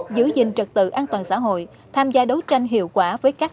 giữ gìn trật tự an toàn xã hội tham gia đấu tranh hiệu quả